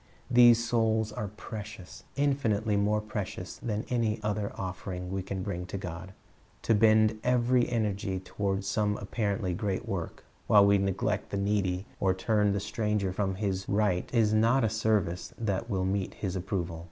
These souls are precious, infinitely more precious than any other offering we can bring to God. To bend every energy toward some apparently great work, while we neglect the needy or turn the stranger from his right, is not a service that will meet His approval.